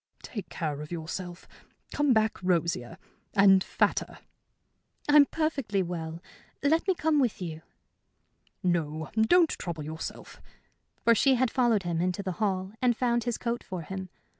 "Take care of yourself. Come back rosier and fatter." "I'm perfectly well. Let me come with you." "No, don't trouble yourself." For she had followed him into the hall and found his coat for him.